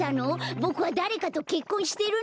ボクはだれかとけっこんしてるの？